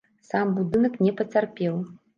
Сам будынак не пацярпеў.